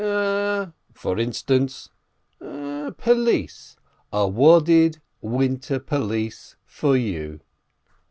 A—" "For instance?" "Pelisse, a wadded winter pelisse for you."